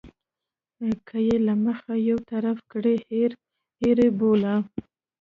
که یې له مخې یو طرفه کړي هېر یې بوله.